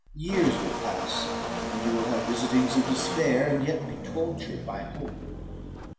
Years will pass, and you will have visitings of despair, and yet be tortured by hope.